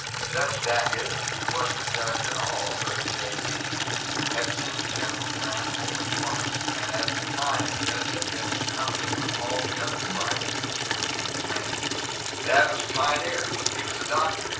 Judge Daggett, who wasn't a judge at all, but a J. P., had seen General Grant only once, and at the time the judge had been in company with all the other privates in the Fourteenth Maine. "Dad was a pioneer. He was a doctor.